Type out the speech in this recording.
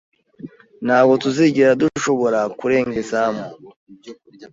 Ntabwo tuzigera dushobora kurenga izamu